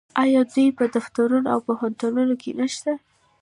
آیا دوی په دفترونو او پوهنتونونو کې نشته؟